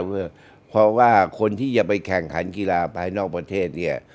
เพราะว่าคนที่จะไปแข่งขันกีฬาภายนอกประเทศเนี่ย